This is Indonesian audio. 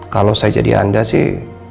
kalau saya jadi anda sih